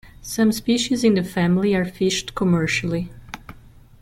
Some species in the family are fished commercially.